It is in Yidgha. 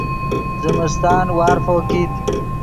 زمستان وارفو کیت